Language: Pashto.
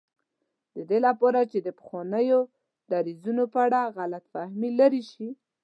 د دې لپاره چې د پخوانیو دریځونو په اړه غلط فهمي لرې شي.